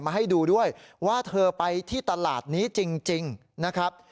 ให้ดูด้วยว่าเธอไปที่ตลาดนี้จริงนะครับ